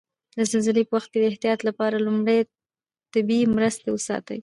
د زلزلې په وخت د احتیاط لپاره لومړي طبي مرستې وساتئ.